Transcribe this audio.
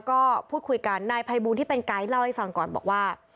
ก็พูดคุยกันนายภัยบูลที่เป็นไกด์เล่าให้ฟังก่อนบอกว่า